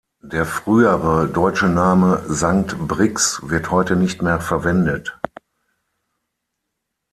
Der frühere deutsche Name "Sankt Brix" wird heute nicht mehr verwendet.